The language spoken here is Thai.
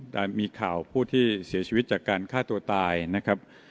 แต่มีข่าวผู้ที่เสียชีวิตจากการฆ่าตัวตายนะครับ